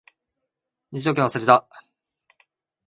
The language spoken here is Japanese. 入場券忘れた